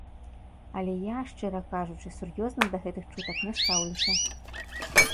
Але я, шчыра кажучы, сур'ёзна да гэтых чутак не стаўлюся.